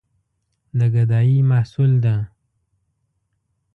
د ګدايي محصول ده.